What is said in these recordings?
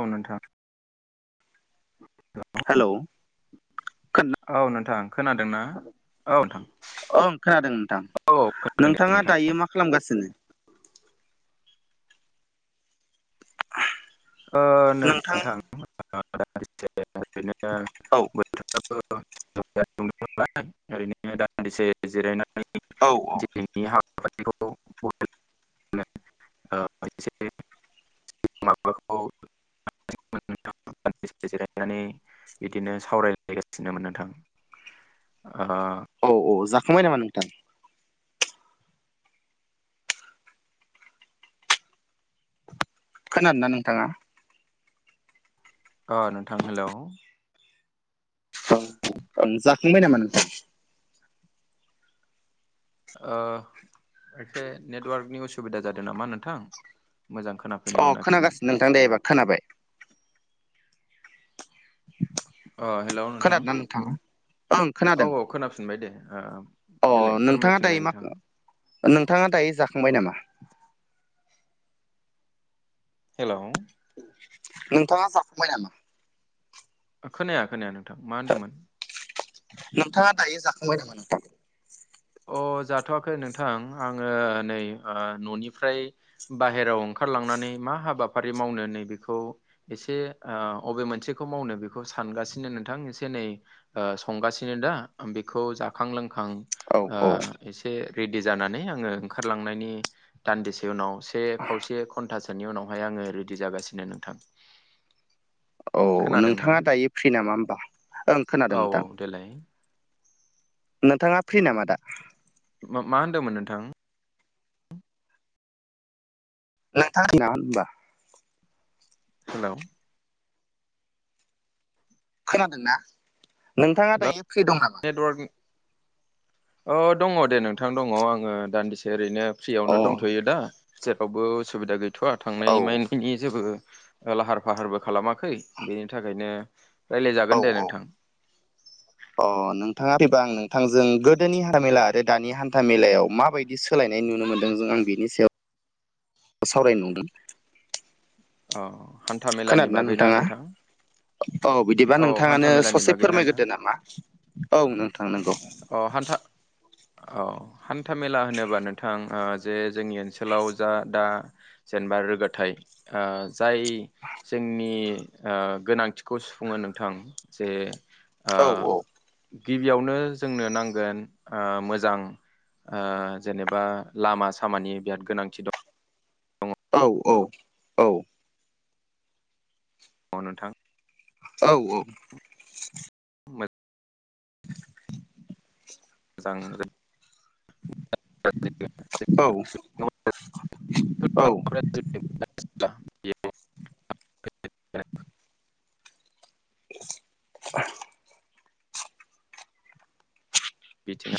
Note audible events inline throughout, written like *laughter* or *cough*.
औ नोंथां हेलौ खोनादों औ नोंथां खोनादोंना औ नोंथां ओं खोनादों नोंथां औ खोनादों दे नोंथाङा नोंथां दायो मा खालामगासिनो *inaudible* ओ नै नोंथां औ *unintelligible* *unintelligible* औ-औ दिनैनि हाबाफारिखौ *unintelligible* *unintelligible* जिरायनानै बिदिनो सावरायलायगासिनो नोथां *unintelligible* औ औ जाखांबाय नामा नोंथां। खोनादोंना नोंथाङा। अ नोंथां हेल'। औ जाखांबाय नामा नोंथां। ओ एसे नेटवार्कनि उसुबिदा जादों नामा नोंथां मोजां खोना अ खोनागासिनो नोंथां दे एबार खोनाबाय। अ हेल' नोंथां खोनादोंना नोंथाङा ओं खोनादों औ-औ खोनाफिनबाय दे ओ ओ। अ देलाय नोंथाङा फोरमायफिनलाय दायो मा नोंथां। नोंथाङा दायो जाखांबाय नामा। हेल'। नोंथाङा जाखांबाय नामा। खोनाया खोनाया नोंथां मा होनदोंमोन। नोंथाङा दायो जाखांबाय नामा नोंथां। अ जाथवाखै नोंथां आङो नै न'निफ्राय बाहेराव ओंखारलांनानै मा हाबाफारि मावनो नै बेखौ एसे अबे मोनसेखौ मावनो बेखौ सानगासिनो नोंथां एसे नै संगासिनो दा बेखौ जाखां लोंखां औ औ ओ एसे रेडि जानानै आङो ओंखारलांनायनि दान्दिसे उनाव से खावसे घन्टासोनि उनावहाय आङो रेडि जागासिनो नोंथां। औ नोंथाङा दायो फ्रि नामा होमबा। ओं खोनादों नोंथां औ-औ देलाय। नोंथाङा फ्रि नामा दा। मा-मा होन्दोंमोन नोंथां। नोंथां होनमबा हेल। खोनादों ना। हेल नेटवर्क। अ दङ दे नोंथां दङ आङो दान्दिसे ओरैनो। अ फ्रियावनो दंथयो दा जेरावबो उसुबिदा गैथवा औ थांनाय माइ नि जेबो लाहार फाहारबो खालामाखै बेनि थाखायनो औ रायज्लायजागोन दे औ नोंथां। अ नोंथाङा फ्रिबा आं नोंथांजों गोदोनि हान्थामेला आरो दानि हान्था मेलायाव माबायदि बिदि सोलायनाय नुनो मोन्दों जों बिनि सायाव सावरायनो नंदों। अ हान्था मेलानि खोनादोंना बागैना नोंथाङा नोंथां? औ बिदिबा औ हान्था नोंथाङानो मेलानि ससे बागैना नोंथां फोरमायग्रोदो नामा? औ नोंथां नंगौ। अ हान्था औ हान्था मेला होनोबा नोंथां ओ जे जोंनि ओनसोलाव जा दा जेनेबा रोगाथाइ ओ जाय जोंनि ओ गोनांथिखौ सुफुंङो नोंथां जे ओ औ औ गिबियावनो जोंनो नांगोन ओ मोजां ओ जेनेबा लामा सामानि बिराद गोनांथि दं। औ औ औ। अ नोंथां। औ औ। *unintelligible* जांजोम। औ औ। *unintelligible* ब *unintelligible* बिथिंङा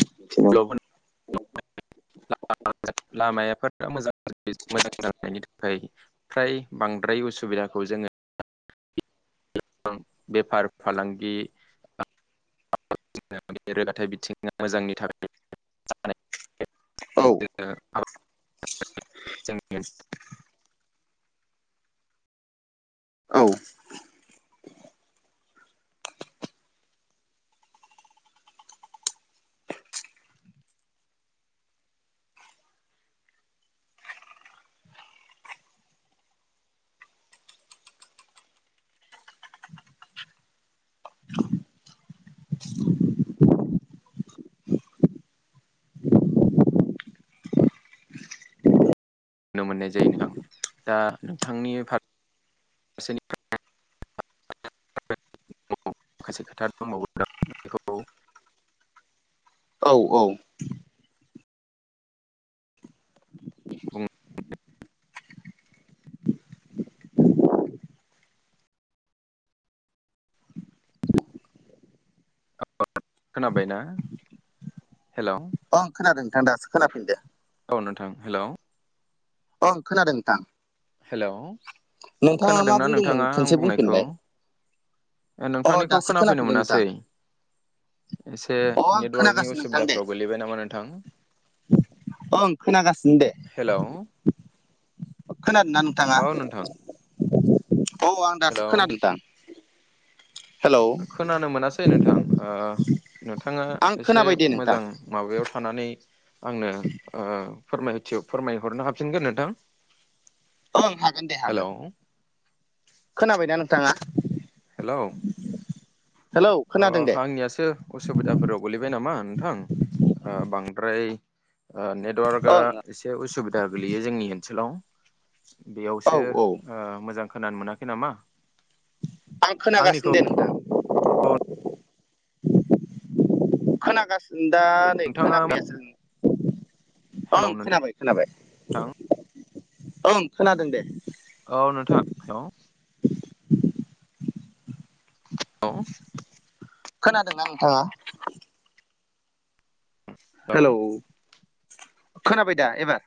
*unintelligible* लामायापाता *unintelligible* मोजां जानायनि थाखाय। फ्राय बांद्राय उसुबिदाखौ जोंङो ओं बेफार फालांगि *unintelligible* औ *unintelligible* *unintelligible* औ। नो मोननाय जायो नोंथां। दा नोंथांनि फा *unintelligible* *unintelligible* औ औ। *unintelligible* खोनाबाय ना? हेलौ ओं खोनादों नोंथां दासोखोनाफिनदो। औ नोंथां, हेलौ अं खोनादों नोंथां। हेलौ नोंथाङा मा खोनादोंना बुंदोंमोन नोंथाङा आं खनसे बुंनायखौ? बुंफिनलाय ओ अ नोंथांनिखौ दासो खोनाफैनो खोनाफैदों नोंथां मोनासै। एसे अ आं नेटवार्कनि खोनागासिनो नोंथां दे उसुबिदाफ्राव गोलैबाय नामा नोंथां? ओं खोनागासिनो दे। हेलौ खोनादों ना नोंथांङा? औ नोंथां औ आं दासो हेलौ खोनादोंदां। हेलौ खोनानो मोनासै नोंथां। ओ नोंथाङा आं एसे खोनाबाय दे नोंथां मोजां माबायाव थानानै आंनो ओ फोरमायथि फोरमायहरनो हाफिनगोन नोंथां? ओं हागोन दे हेलौ हागोन। खोनाबाय ना नोंथाङा? हेलौ हेलौ अ खोनादों दे आंनियासो उसुबिदाफोराव गोलैबाय नामा नोंथां? ओ बांद्राय ओ नेटवार्कआ ओं एसे उसुबिदा गोलैयो जोंनि ओनसोलाव। औ बेयावसो औ ओ मोजां खोनानो मोनाखै नामा? आं खोनागासिनो आंनिखौ दे नोंथां। खोनागासिनो दा नै नोंथाङा खोनाफैयासै। हेलौ ओं नोंथां खोनाबाय खोनाबाय ओं खोनादों दे। औ नोंथां हे लौ खोनादोंना नोंथांङा? औ हेलौ खोनाबाय दा एबार।